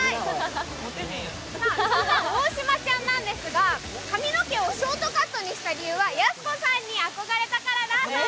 そんな大島ちゃんなんですが髪の毛をショートカットにした理由はやす子さんに憧れたからだそう